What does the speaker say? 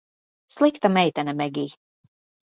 Slikta meitene, Megij.